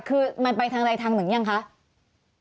คือมันไปทางใดทางหนึ่งยังคะ